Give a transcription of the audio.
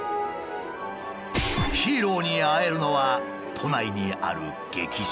ヒーローに会えるのは都内にある劇場。